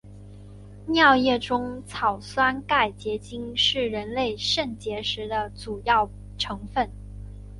尿液中的草酸钙结晶是人类肾结石的主要成分。